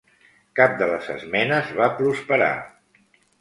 Cap de les esmenes va prosperar.